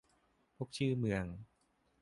พวกชื่อเมือง